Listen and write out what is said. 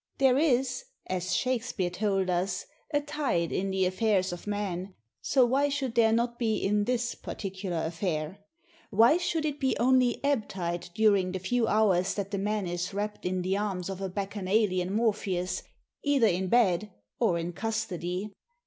There is, as Shakespeare told us, a tide in the affairs of man, so why should there not be in this particular affair? Why should it be only ebb tide during the few hours that the man is wrapped in the arms of a Bacchanalian Morpheus, either in bed or in custody?